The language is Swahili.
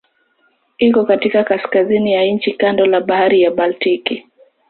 Iko katika kaskazini ya nchi kando la Bahari ya Baltiki.